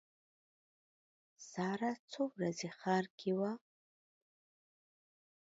ساره څو ورځې ښار کې وه.